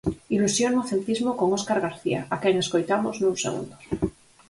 Ilusión no celtismo con Óscar García, a quen escoitamos nuns segundos.